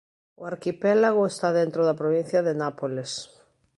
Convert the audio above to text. O arquipélago está dentro da Provincia de Nápoles.